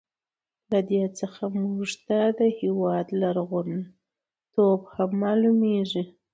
له دې څخه موږ ته د هېواد لرغون توب هم معلوميږي.